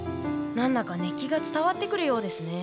何だか熱気が伝わってくるようですね。